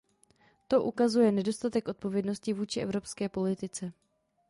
To ukazuje nedostatek odpovědnosti vůči evropské politice.